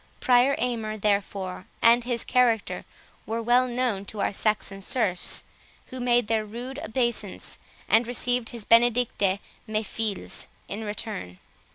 Prior Aymer, therefore, and his character, were well known to our Saxon serfs, who made their rude obeisance, and received his "benedicite, mes filz," in return.